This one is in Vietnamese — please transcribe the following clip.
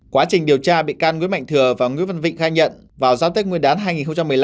quá trình điều tra bị can nguyễn mạnh thừa và nguyễn văn vịnh khai nhận vào giao tết nguyên đán hai nghìn một mươi năm